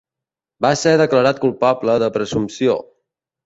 Va ser declarat culpable de presumpció.